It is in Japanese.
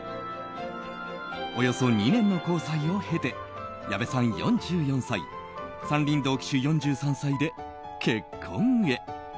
およそ２年の交際を経て矢部さん４４歳山林堂騎手４３歳で結婚へ。